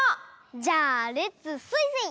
じゃあレッツスイスイ！